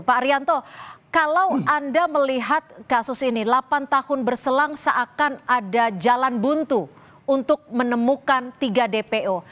pak arianto kalau anda melihat kasus ini delapan tahun berselang seakan ada jalan buntu untuk menemukan tiga dpo